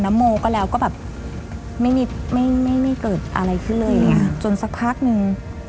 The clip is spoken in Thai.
โมก็แล้วก็แบบไม่มีไม่ไม่เกิดอะไรขึ้นเลยอย่างเงี้ยจนสักพักนึง